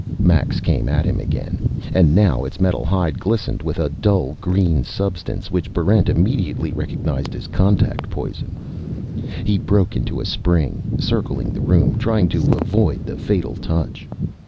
Max came at him again, and now its metal hide glistened with a dull green substance which Barrent immediately recognized as Contact Poison. He broke into a spring, circling the room, trying to avoid the fatal touch.